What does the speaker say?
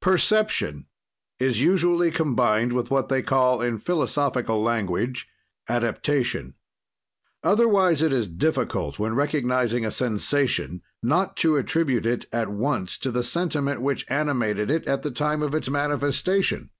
"Perception is usually combined with what they call in philosophical language adaptation. "Otherwise it is difficult, when recognizing a sensation, not to attribute it at once to the sentiment which animated it at the time of its manifestation.